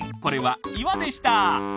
これは岩でした！